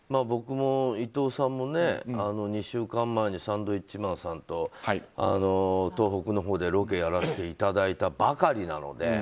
僕も伊藤さんも２週間前にサンドウィッチマンさんと東北のほうでロケをやらせていただいたばかりなので。